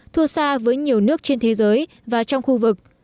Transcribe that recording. thua xa với nhiều nước trên thế giới và trong khu vực